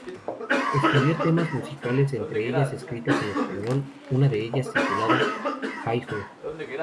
Escribió temas musicales entre ellas escritas en español, una de ellas titulada "Jai Ho".